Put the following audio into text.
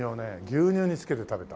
牛乳につけて食べた。